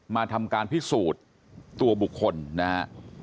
มาทำการพิสูจน์ตัวบุคคลนะฮะ